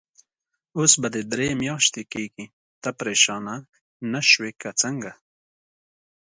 اوس به یې درې میاشتې کېږي، ته پرېشانه نه شوې که څنګه؟